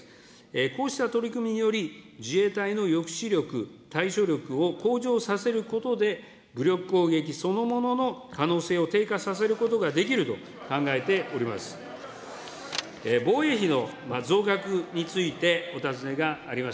こうした取り組みにより、自衛隊の抑止力、対処力を向上させることで、武力攻撃そのものの可能性を低下させることができると考えております。